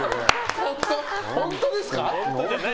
本当ですか？